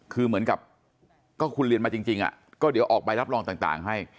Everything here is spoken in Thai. คือเหมือนกับก็คุณเรียนมาจริงก็เดี๋ยวออกใบรับรองต่างให้